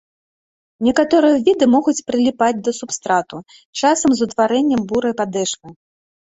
Некаторыя віды могуць прыліпаць да субстрату, часам з утварэннем бурай падэшвы.